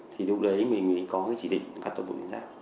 thì lúc đấy mình có chỉ định cắt toàn bộ tuyến giáp